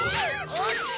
おっと！